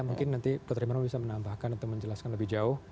mungkin nanti dr iman bisa menambahkan atau menjelaskan lebih jauh